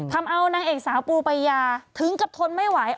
ทำเอานางเอกสาวปูปายาถึงกับทนไม่ไหว